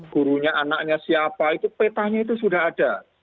gurunya anaknya siapa itu petanya itu sudah ada